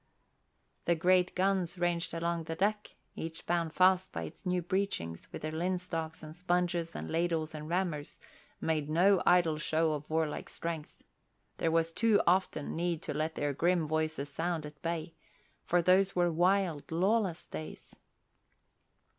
The great guns ranged along the deck each bound fast by its new breechings with their linstocks and sponges and ladles and rammers, made no idle show of warlike strength. There was too often need to let their grim voices sound at bay, for those were wild, lawless days.